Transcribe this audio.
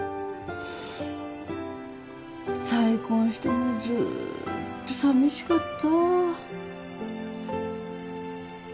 再婚してもずっとさみしかった。